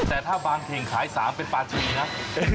แต่ถ้าบางแข็งขายสามเป็นปลาจริงนะ